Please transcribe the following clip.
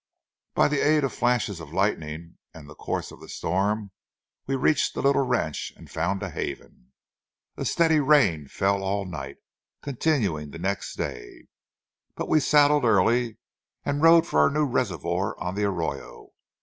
By the aid of flashes of lightning and the course of the storm, we reached the little ranch and found a haven. A steady rain fell all night, continuing the next day, but we saddled early and rode for our new reservoir on the arroyo.